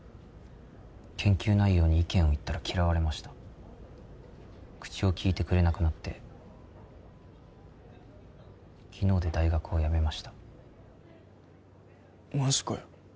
研究内容に意見を言ったら嫌われました口をきいてくれなくなって昨日で大学をやめましたマジかよ